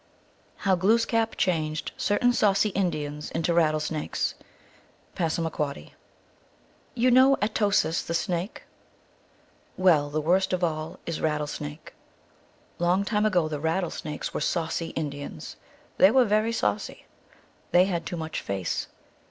How Glooskap changed Certain Saucy Indians into Rattle snakes. (Passamaquoddy.) You know At o sis, the Snake? Well, the worst of all is Rattlesnake. Long time ago the Rattlesnakes were saucy Indians. They were very saucy. They had too much face.